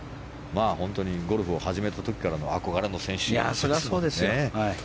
本当にゴルフを始めた時からの憧れの選手ですよね。